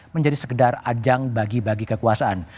menjadi sekedar ajang bagi bagi kekuasaan